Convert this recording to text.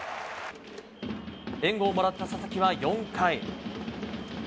援護をもらった佐々木は４回。